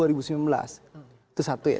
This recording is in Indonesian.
itu satu ya